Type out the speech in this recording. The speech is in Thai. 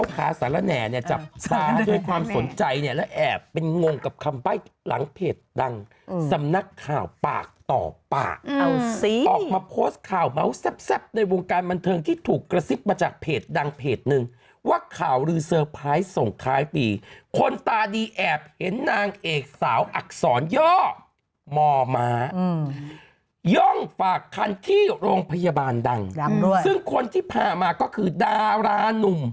โปรดข่าวแบบเป็นงงกับคำใบ้หลังเพจดังสำนักข่าวปากต่อปากออกมาโพสต์ข่าวเมาส์แซ่บในวงการบันเทิงที่ถูกกระซิบมาจากเพจดังเพจหนึ่งว่าข่าวหรือเซอร์ไพรส์ส่งท้ายปีคนตาดีแอบเห็นนางเอกสาวอักษรย่อมมย่องฝากคันที่โรงพยาบาลดังซึ่งคนที่พามาก็คือดารานุ่ม